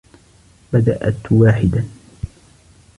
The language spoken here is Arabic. بدأت واحدا.